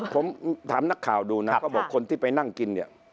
ผมถามนักข่าวดูนะเขาบอกคนที่ไปนั่งกินเนี่ย